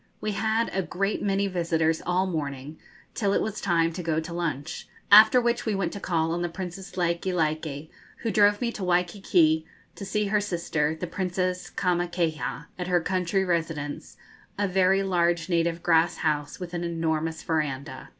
We had a great many visitors all the morning, till it was time to go to lunch; after which we went to call on the Princess Likelike, who drove me to Waikiki, to see her sister, the Princess Kamakaeha, at her country residence, a very large native grass house, with an enormous verandah.